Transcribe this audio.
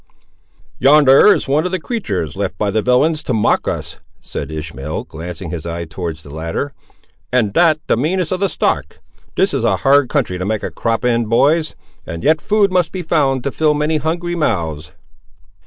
"Yonder is one of the creatures left by the villains to mock us," said Ishmael, glancing his eye towards the latter, "and that the meanest of the stock. This is a hard country to make a crop in, boys; and yet food must be found to fill many hungry mouths!"